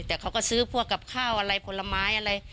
แต่เขาก็ซื้อพวกกับข้าวอะไรผลไม้อะไร